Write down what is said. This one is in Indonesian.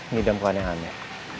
ngidam ke aneh aneh